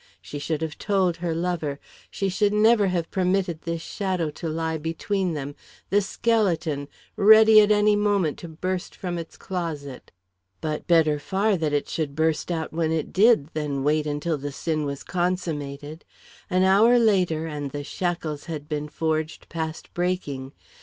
She should have told her lover; she should never have permitted this shadow to lie between them this skeleton, ready at any moment to burst from its closet. But better far that it should burst out when it did, than wait until the sin was consummated; an hour later, and the shackles had been forged past breaking!